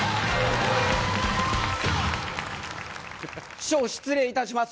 師匠失礼いたします。